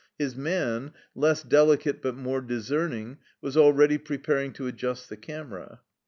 His man, less delicate but more discerning, was already preparing to adjust the camera.